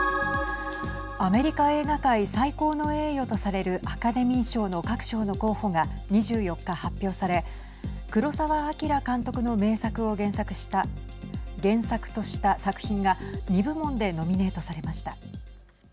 アメリカ映画界最高の栄誉とされるアカデミー賞の各賞の候補が２４日、発表され黒澤明監督の名作を原作とした作品が２部門でノミネートされました。